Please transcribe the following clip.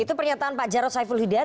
itu pernyataan pak jarod saiful hidaya